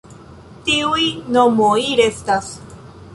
Tiuj nomoj restas.